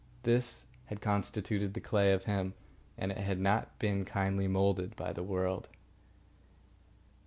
This had constituted the clay of him, and it had not been kindly moulded by the world.